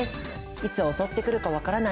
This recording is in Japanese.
いつ襲ってくるか分からない